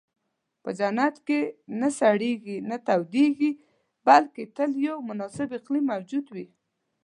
په جنت کې نه سړېږي، نه تودېږي، بلکې تل یو مناسب اقلیم موجود وي.